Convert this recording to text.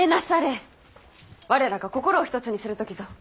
我らが心を一つにする時ぞ。